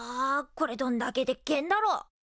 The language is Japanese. これどんだけでっけえんだろ？